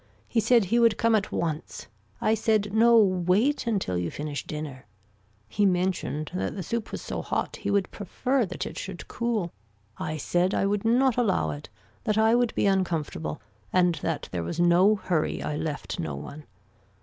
He said he would come at once. I said no wait until you finish dinner. He mentioned that the soup was so hot he would prefer that it should cool. I said I would not allow it, that I would be uncomfortable and that there was no hurry I left no one.